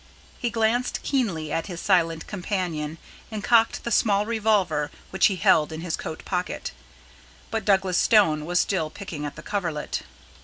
He glanced keenly at his silent companion, and cocked the small revolver which he held in his coat pocket. But Douglas Stone was still picking at the coverlet.